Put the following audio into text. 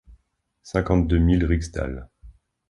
Cinquante-deux mille rixdales